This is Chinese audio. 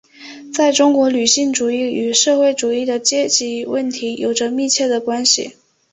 在中国女性主义与社会主义和阶级问题有着密切的关系。